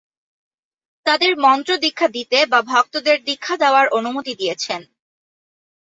তাদের মন্ত্র দীক্ষা দিতে বা ভক্তদের দীক্ষা দেওয়ার অনুমতি দিয়েছেন।